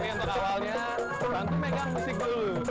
tapi yang terawalnya bantu megang musik dulu